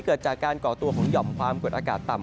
เกิดจากการก่อตัวของหย่อมความกดอากาศต่ำ